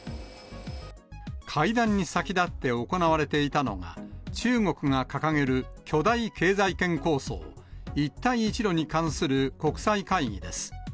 会談に先立って行われていたのが、中国が掲げる巨大経済圏構想、一帯一路に関する国際会議です。